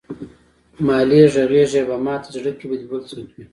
مالې غږېږې به ماته زړه کې به دې بل څوک وي.